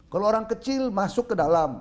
kalau orang kecil masuk ke dalam